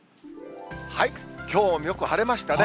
きょうもよく晴れましたね。